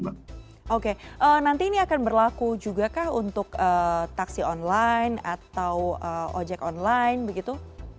oke nanti ini akan berlaku juga kah untuk taksi online atau ojek online begitu